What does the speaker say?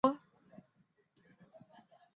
马尔托。